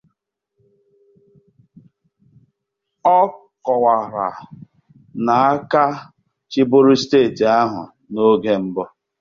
Ọ kọwara na aka chịbụrụ steeti ahụ n'oge mbụ